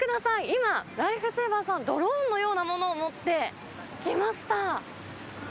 今、ライフセーバーさん、ドローンのようなものを持ってきました。